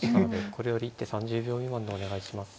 これより一手３０秒未満でお願いします。